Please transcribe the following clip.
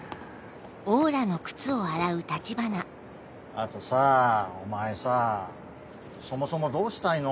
あとさぁお前さそもそもどうしたいの？